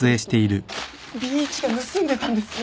Ｂ一が盗んでたんです！